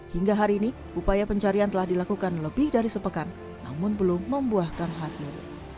hingga hari ini upaya pencarian telah dilakukan lebih dari sepekan namun belum membuahkan hasil